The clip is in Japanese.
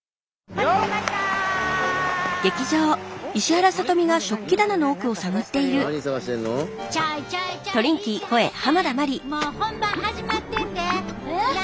もう本番始まってんで！